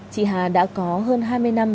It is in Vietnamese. chị hà đã có hơn hai mươi năm